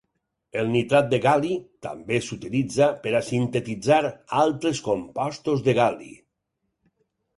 El nitrat de gal·li també s'utilitza per a sintetitzar altres compostos de gal·li.